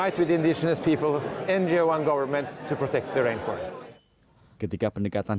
jadi pertemuan ini bukan untuk membuat perjanjian